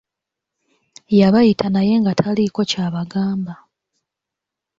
Yabayita naye nga taliiko kyabagamba.